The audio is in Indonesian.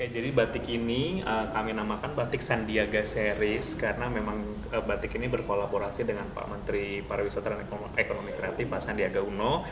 jadi batik ini kami namakan batik sandiaga series karena memang batik ini berkolaborasi dengan pak menteri parawisata dan ekonomi kreatif pak sandiaga uno